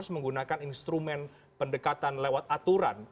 menggunakan instrumen pendekatan lewat aturan